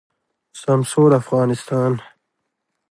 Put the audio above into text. سمسور افغانستان